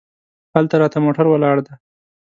هلته راته موټر ولاړ دی.